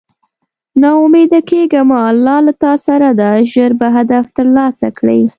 نا اميده کيږه مه الله له تاسره ده ژر به هدف تر لاسه کړی